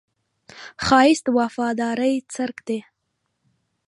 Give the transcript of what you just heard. ښایست د وفادارۍ څرک دی